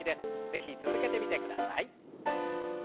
是非続けてみてください。